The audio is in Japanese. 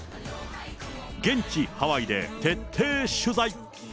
現地、ハワイで徹底取材。